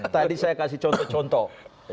tadi saya kasih contoh contoh